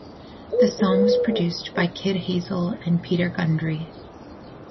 The song was produced by Kid Hazel and Peter Gundry.